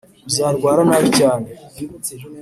- uzarwara nabi cyane.